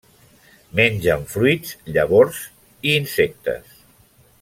Mengen fruits, llavors i insectes.